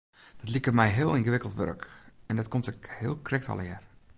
Dat liket my heel yngewikkeld wurk en dat komt ek heel krekt allegear.